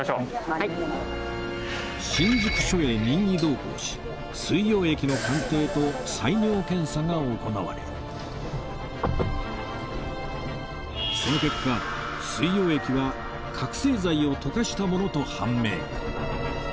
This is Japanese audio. はい新宿署へ任意同行し水溶液の鑑定と採尿検査が行われその結果水溶液は覚醒剤を溶かしたものと判明